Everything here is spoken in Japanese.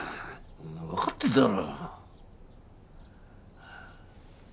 わかってんだろ？